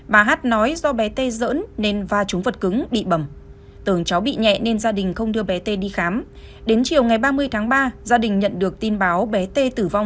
bà hát nói do bé t dỡn nên va chúng phụ